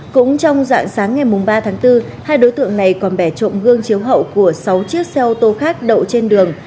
cũng trong dạng sáng ngày ba tháng bốn hai đối tượng này còn bẻ trộm gương chiếu hậu của sáu chiếc xe ô tô khác đậu trên đường